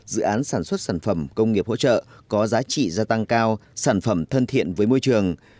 dự án sản xuất sản phẩm công nghiệp hỗ trợ có giá trị gia tăng cao sản phẩm thân thiện với môi trường